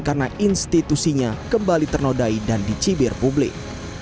karena institusinya kembali ternodai dan dicibir publik